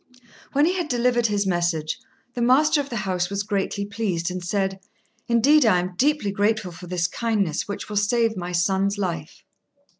When he had delivered his message, the master of the house was greatly pleased, and said, "Indeed, I am deeply grateful for this kindness, which will save my son's life."